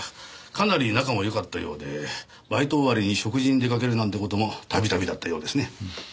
かなり仲もよかったようでバイト終わりに食事に出かけるなんて事も度々だったようですね。